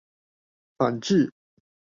反智